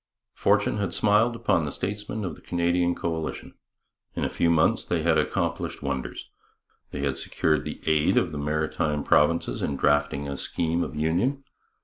Fortune had smiled upon the statesmen of the Canadian coalition. In a few months they had accomplished wonders. They had secured the aid of the Maritime Provinces in drafting a scheme of union.